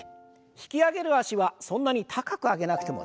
引き上げる脚はそんなに高く上げなくても大丈夫です。